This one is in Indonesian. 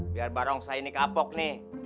biar barongsai ini kapok nih